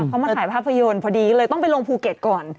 เขามาถ่ายภาพยนตร์พอดีก็เลยต้องไปลงภูเก็ตก่อน